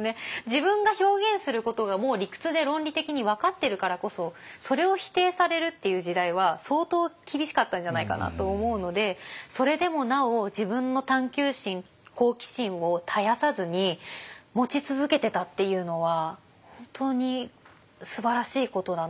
自分が表現することがもう理屈で論理的に分かってるからこそそれを否定されるっていう時代は相当厳しかったんじゃないかなと思うのでそれでもなお自分の探究心好奇心を絶やさずに持ち続けてたっていうのは本当にすばらしいことだなと思います。